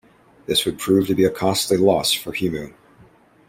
This would prove to be a costly loss for Hemu.